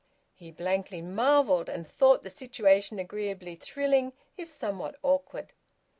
He blankly marvelled, and thought the situation agreeably thrilling, if somewhat awkward.